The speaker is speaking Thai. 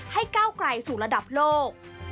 ก้าวไกลสู่ระดับโลก